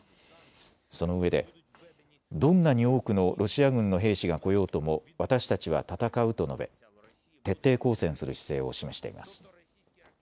そのうえでどんなに多くのロシア軍の兵士が来ようとも私たちは戦うと述べ徹底抗戦する姿勢を示しています。